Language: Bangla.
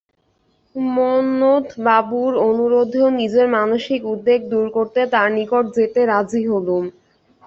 মন্মথবাবুর অনুরোধেও নিজের মানসিক উদ্বেগ দূর করতে তার নিকট যেতে রাজী হলুম।